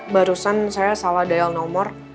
barusan saya salah deal nomor